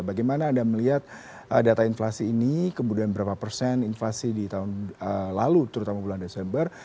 bagaimana anda melihat data inflasi ini kemudian berapa persen inflasi di tahun lalu terutama bulan desember